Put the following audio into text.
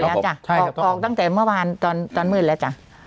แล้วจ้ะออกตั้งแต่เมื่อวานตอนมืดแล้วจ้ะ